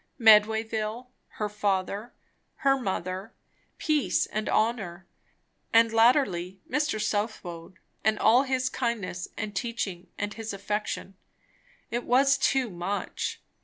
Medwayville, her father, her mother, peace and honour, and latterly Mr. Southwode, and all his kindness and teaching and his affection. It was too much.